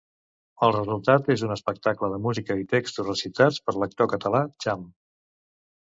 El resultat és un espectacle de música i textos recitats per l'actor català Cham.